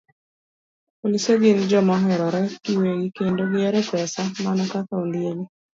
Polise gin joma oherore giwegi, kendo gihero pesa mana kaka ondiegi.